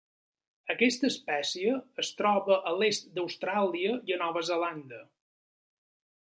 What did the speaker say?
Aquesta espècie es troba a l'est d'Austràlia i a Nova Zelanda.